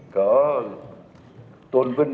có tôn vinh